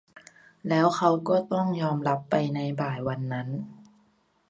แล้วเค้าก็ต้องยอมรับไปในบ่ายนั้น